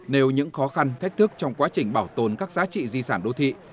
nêu những khó khăn thách thức trong quá trình bảo tồn các giá trị di sản đô thị